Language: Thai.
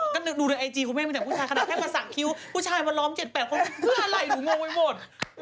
ก็ดูในไอจีคุณแม่มีแต่ผู้ชายขนาดแค่มาสักคิ้วผู้ชายมาล้อม๗๘คนเพื่ออะไรหนูงงไปหมด